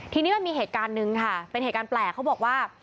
ทีนี้มันมีเหตุการณ์หนึ่งค่ะเป็นเหตุการณ์แปลกเขาบอกว่า